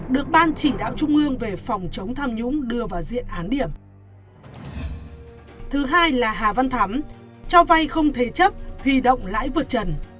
được ban chỉ đạo trung ương về phòng chống tham nhũng đưa vào diện án điểm